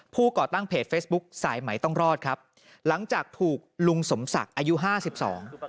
ก่อตั้งเพจเฟซบุ๊คสายไหมต้องรอดครับหลังจากถูกลุงสมศักดิ์อายุห้าสิบสอง